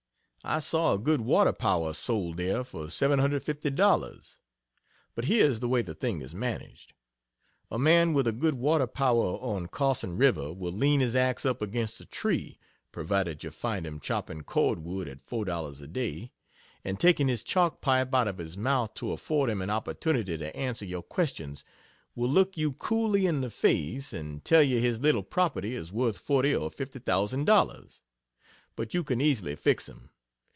I saw a good water power sold there for $750.00. But here is the way the thing is managed. A man with a good water power on Carson river will lean his axe up against a tree (provided you find him chopping cord wood at $4 a day,) and taking his chalk pipe out of his mouth to afford him an opportunity to answer your questions, will look you coolly in the face and tell you his little property is worth forty or fifty thousand dollars! But you can easily fix him.